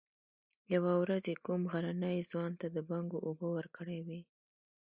يوه ورځ يې کوم غرني ځوان ته د بنګو اوبه ورکړې وې.